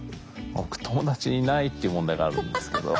僕友達いないっていう問題があるんですけど。